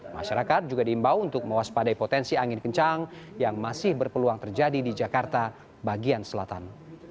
masyarakat juga diimbau untuk mewaspadai potensi angin kencang yang masih berpeluang terjadi di jakarta bagian selatan